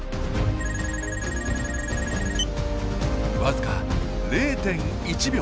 わずか０．１秒！